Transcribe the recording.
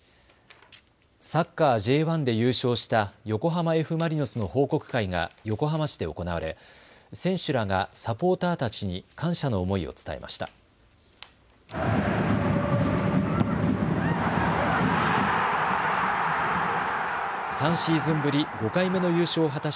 サッカーＪ１で優勝した横浜Ｆ・マリノスの報告会が横浜市で行われ、選手らがサポーターたちに感謝の思いを伝えました。